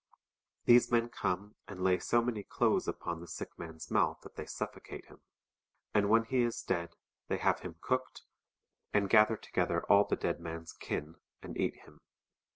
These men come, and lay so many clothes uj)on the sick man's mouth that they suffocate him. And when he is dead they have him cooked, anil gather together all the dead man's kin, and eat him.